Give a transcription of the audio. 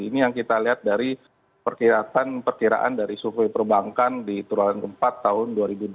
ini yang kita lihat dari perkiraan dari suku perbankan di turunan keempat tahun dua ribu dua puluh dua